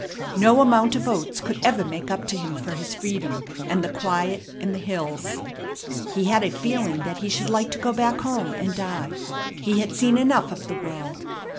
No amount of oats could ever make up to him for his freedom, and the quiet, and the hills. He had a feeling that he should like to go back home and die. He had seen enough of the world.